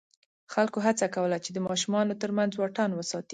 خلکو هڅه کوله چې د ماشومانو تر منځ واټن وساتي.